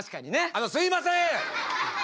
あのすいません！